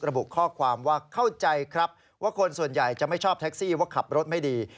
ระบุข้อความว่าเข้าใจครับว่าคนส่วนใหญ่จะไม่ชอบแท็กซี่ว่าขับรถไม่ดี